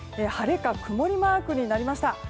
晴れか曇りマークになりました。